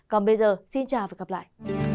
còn bây giờ xin chào và gặp lại